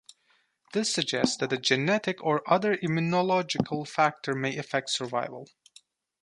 This suggests that a genetic or other immunological factor may affect survival.